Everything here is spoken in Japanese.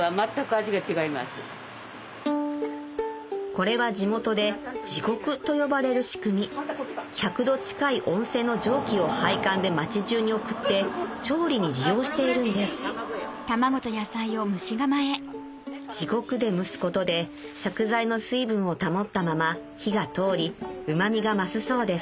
これは地元で「地獄」と呼ばれる仕組み１００度近い温泉の蒸気を配管で町じゅうに送って調理に利用しているんです地獄で蒸すことで食材の水分を保ったまま火が通りうまみが増すそうです